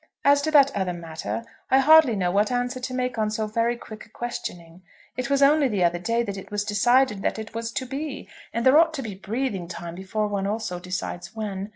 As to that other matter, I hardly know what answer to make on so very quick a questioning. It was only the other day that it was decided that it was to be; and there ought to be breathing time before one also decides when.